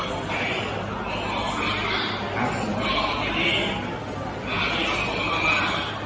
นายต้องพิสิทธิ์ได้รับอันนั้น